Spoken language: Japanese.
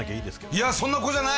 いやそんな子じゃない！